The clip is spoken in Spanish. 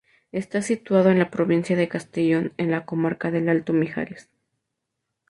Está situado en la provincia de Castellón, en la comarca del Alto Mijares.